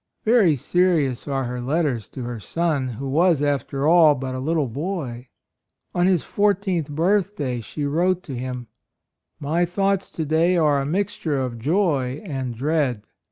Very serious are her letters to her son, who was, after all, but a little boy. On his fourteenth birthday she wrote to him : "My thoughts to day are a mixture of joy and dread.